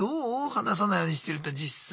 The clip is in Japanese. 話さないようにしてるって実際。